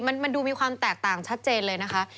มันดูมีความแตกต่างชัดเจนเลยนะคะ